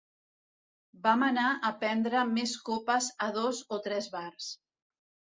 Vam anar a prendre més copes a dos o tres bars.